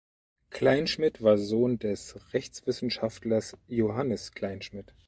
Kleinschmidt war Sohn des Rechtswissenschaftlers Johannes Kleinschmidt.